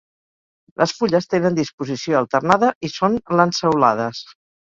Les fulles tenen disposició alternada i són lanceolades.